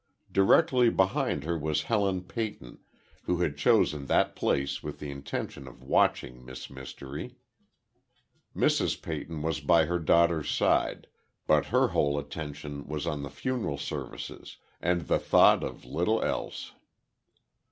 Directly behind her was Helen Peyton, who had chosen that place with the intention of watching Miss Mystery. Mrs. Peyton was by her daughter's side, but her whole attention was on the funeral services, and she thought of little else.